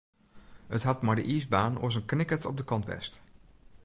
It hat mei dy iisbaan oars in knikkert op de kant west.